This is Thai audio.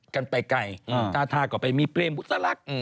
กันไปไกลทาทาก็ไปมีเปรมพุทธลักษณ์